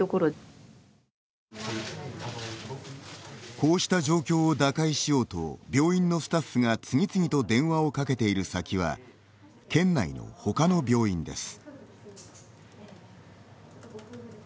こうした状況を打開しようと病院のスタッフが次々と電話をかけている先は県内のほかの病院です。